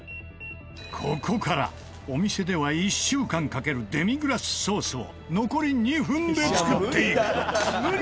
ここからお店では１週間かけるデミグラスソースを残り２分で作っていく